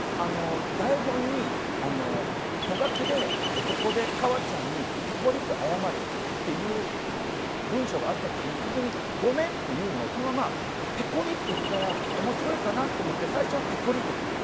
台本にト書きでここで川ちゃんにペコリと謝るっていう文章があった時にごめんって言うのをそのまま、ペコリって言ったら面白いかなと思って最初はペコリだったの。